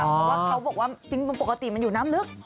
เพราะว่าเขาบอกว่าจริงปกติมันอยู่น้ำลึก